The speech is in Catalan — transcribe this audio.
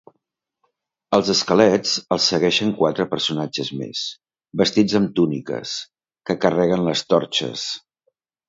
Als esquelets els segueixen quatre personatges més, vestits amb túniques, que carreguen les torxes.